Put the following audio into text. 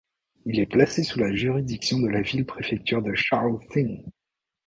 Il est placé sous la juridiction de la ville-préfecture de Shaoxing.